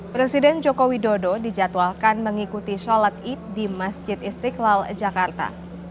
presiden joko widodo dijadwalkan mengikuti sholat id di masjid istiqlal jakarta